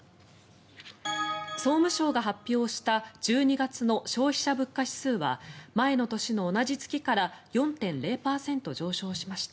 総務省が発表した１２月の消費者物価指数は前の年の同じ月から４．０％上昇しました。